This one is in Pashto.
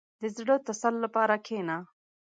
• د زړه د تسل لپاره کښېنه.